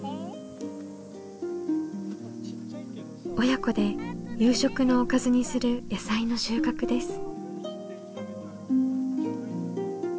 親子で夕食のおかずにする野菜の収穫です。